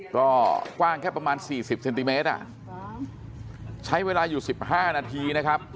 ก็กว้างแค่ประมาณ๔๐เซนติเมตรใช้เวลาอยู่๑๕นาทีนะครับ